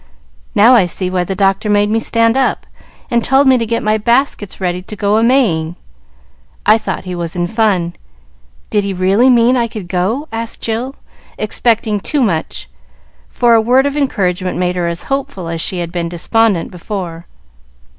Now I see why the doctor made me stand up, and told me to get my baskets ready to go a Maying. I thought he was in fun; did he really mean I could go?" asked Jill, expecting too much, for a word of encouragement made her as hopeful as she had been despondent before.